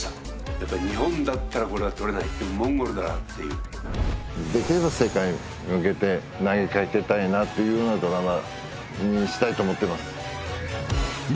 やっぱり日本だったらこれは撮れないでもモンゴルならっていうできれば世界に向けて投げかけたいなというようなドラマにしたいと思ってます